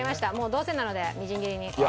どうせなのでみじん切りに。